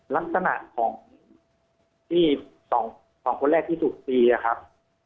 ลักษณะของที่สองคนแรกที่สุดทีครับ